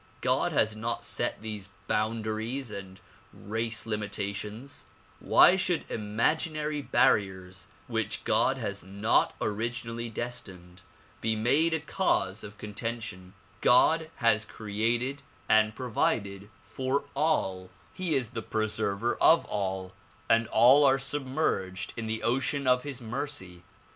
God has not set these boundaries and race limitations. Why should imaginary barriers which God has not originally destined, be made a cause of contention? God has created and provided for all. He 96 THE PRO:\IULGATION OF UNIVERSAL PEACE is the preserver of all, and all are submerged in the ocean of his mercy.